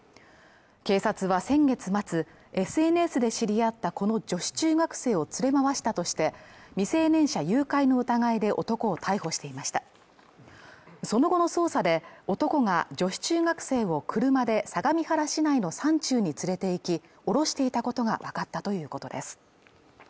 警察は先月末ＳＮＳで知り合ったこの女子中学生を連れ回したとして未成年者誘拐の疑いで男を逮捕していましたその後の捜査で男が女子中学生を車で相模原市内の山中に連れて行き降ろしていたことが分かったということです